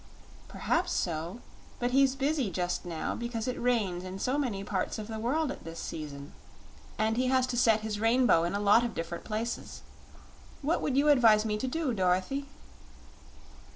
"Perhaps so, but he's busy just now because it rains in so many parts of the world at this season, and he has to set his rainbow in a lot of different places. What would you advise me to do, Dorothy?"